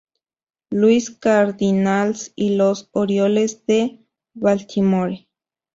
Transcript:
Louis Cardinals y los Orioles de Baltimore.